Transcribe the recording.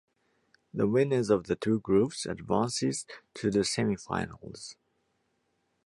The winners of the two groups advances to the semifinals.